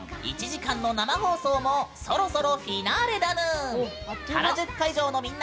１時間の生放送もそろそろフィナーレだぬーん！